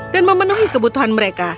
dan memenuhi kebutuhan mereka